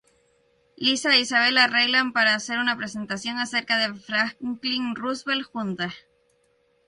Lisa e Isabel arreglan para hacer una presentación acerca de Franklin Roosevelt juntas.